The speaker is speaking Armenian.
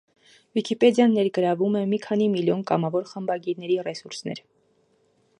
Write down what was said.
Վիքիպեդիան ներգրավում է մի քանի միլիոն կամավոր խմբագիրների ռեսուրսներ։